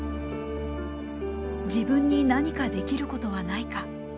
自分に何かできることはないか。